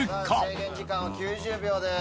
制限時間は９０秒です。